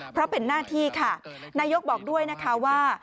เพราะเป็นหน้าที่ค่ะนายกบอกด้วยนะคะว่า